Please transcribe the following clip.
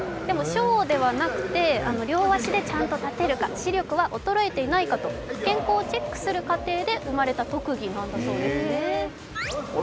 ショーではなくて、両足でちゃんと立てるか、視力は衰えていないかと、健康をチェックする過程で生まれた特技なんだそうです。